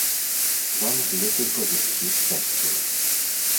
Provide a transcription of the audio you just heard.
Вам з гэтым па жыцці шчасціла.